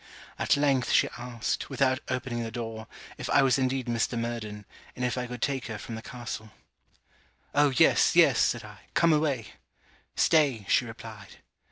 At length she asked, without opening the door, if I was indeed Mr. Murden, and if I could take her from the castle. 'O yes, yes,' said I, 'Come away.' 'Stay,' she replied.